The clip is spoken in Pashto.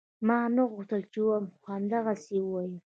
ما نه غوښتل چې ووايم خو همدغسې يې وويل.